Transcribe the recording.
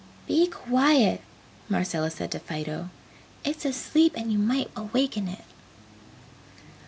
"Be quiet!" Marcella said to Fido, "It's asleep and you might awaken it!"